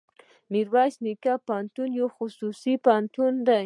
ميرويس نيکه پوهنتون يو خصوصي پوهنتون دی.